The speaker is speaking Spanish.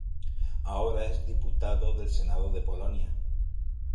Ahora es diputado del Senado de Polonia.